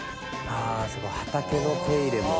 あそうか畑の手入れも。